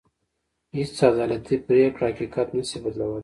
هېڅ عدالتي پرېکړه حقيقت نه شي بدلولی.